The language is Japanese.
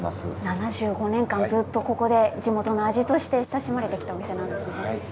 ７５年間ずっとここでお店の味として親しまれてきたんですね。